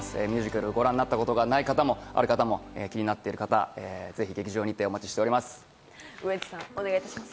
ミュージカルをご覧になったことがない方もある方も気になっている方、ぜひ劇場にておウエンツさん。